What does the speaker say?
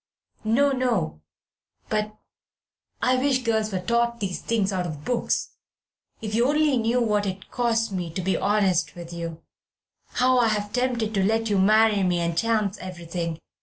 "No, no; but ... I wish girls were taught these things out of books. If you only knew what it costs me to be honest with you, how I have been tempted to let you marry me and chance everything!